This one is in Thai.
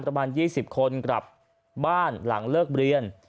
ประมาณ๒๐คนกลับบ้านหลังเลิกเรียน